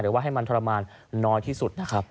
ว่าให้มันทรมานน้อยที่สุดนะครับ